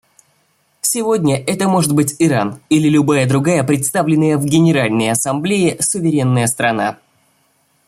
Сегодня это может быть Иран или любая другая представленная в Генеральной Ассамблее суверенная страна.